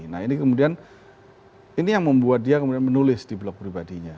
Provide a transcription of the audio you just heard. nah ini kemudian ini yang membuat dia kemudian menulis di blog pribadinya